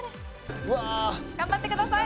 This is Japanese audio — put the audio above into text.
頑張ってください！